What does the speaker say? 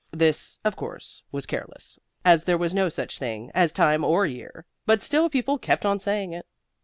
This, of course, was careless, for there was no such thing as time or year, but still people kept on saying it.